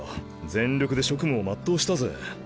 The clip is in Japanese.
全力で職務を全うしたぜ。